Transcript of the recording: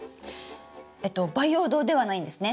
えっと培養土ではないんですね。